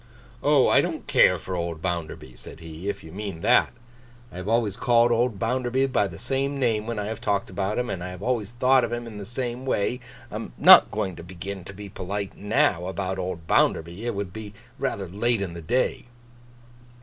'Oh! I don't care for old Bounderby,' said he, 'if you mean that. I have always called old Bounderby by the same name when I have talked about him, and I have always thought of him in the same way. I am not going to begin to be polite now, about old Bounderby. It would be rather late in the day.